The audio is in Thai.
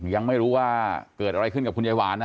ยังไม่รู้ว่าเกิดอะไรขึ้นกับคุณยายหวานนะ